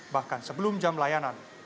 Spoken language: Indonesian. bahkan sebelum jam layanan